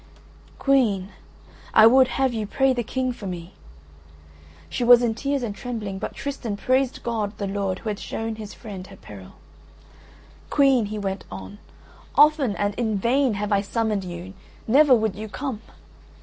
"Queen, I would have you pray the King for me." She was in tears and trembling, but Tristan praised God the Lord who had shown his friend her peril. "Queen," he went on, "often and in vain have I summoned you; never would you come.